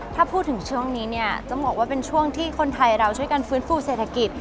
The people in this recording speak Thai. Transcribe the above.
ถ้าพูดถึงช่วงนี้เนี่ยจะบอกว่าเป็นช่วงที่คนไทยเราช่วยกันฟื้นฟูเศรษฐกิจ